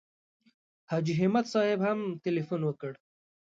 حاجي همت صاحب هم تیلفون وکړ.